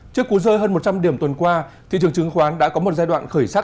trước cú rơi hơn một trăm linh điểm tuần qua thị trường chứng khoán đã có một giai đoạn khởi sắc